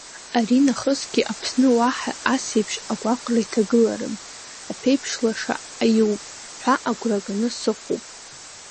Аринахысгьы Аԥсны уаҳа ас еиԥш агәаҟра иҭагыларым, аԥеиԥш лаша аиуп ҳәа агәра ганы сыҟоуп!